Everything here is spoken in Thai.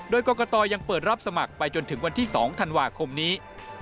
โดยกรกตยังเปิดรับสมัครไปจนถึงวันที่๒ธันวาคมนี้